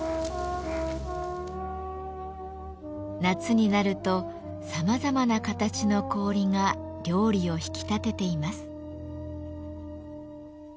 夏になるとさまざまな形の氷が料理を引き立てています。